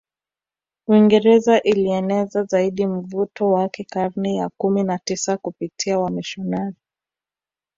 Uingereza ilieneza zaidi mvuto wake karne ya kumi na tisa kupitia wamisionari